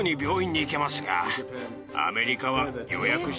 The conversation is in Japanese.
アメリカは。